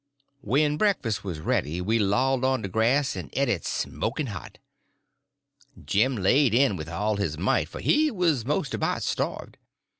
When breakfast was ready we lolled on the grass and eat it smoking hot. Jim laid it in with all his might, for he was most about starved.